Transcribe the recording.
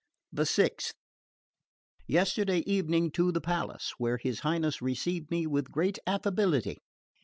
The 6th. Yesterday evening to the palace, where his Highness received me with great affability.